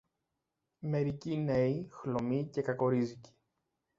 Μερικοί νέοι, χλωμοί και κακορίζικοι